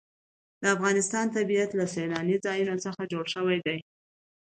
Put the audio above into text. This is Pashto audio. د افغانستان طبیعت له سیلانی ځایونه څخه جوړ شوی دی.